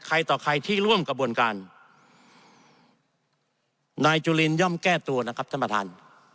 ต่อใครที่ร่วมกระบวนการนายจุลินย่อมแก้ตัวนะครับท่านประธาน